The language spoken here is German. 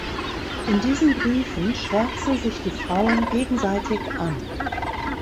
In diesen Briefen schwärzen sich die Frauen gegenseitig an.